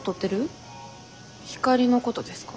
光莉のことですか？